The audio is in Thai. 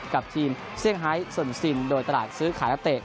กับทีมเซี่ยงไฮโซนซินโดยตลาดซื้อขายนักเตะ